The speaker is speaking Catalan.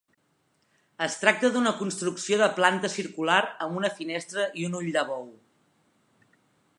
Es tracta d'una construcció de planta circular amb una finestra i un ull de bou.